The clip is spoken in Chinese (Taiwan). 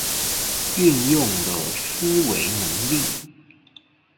運用了思維能力